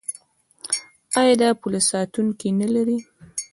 آیا دا پوله ساتونکي نلري؟